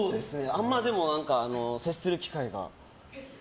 あんま接する機会が。